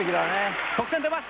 得点出ます。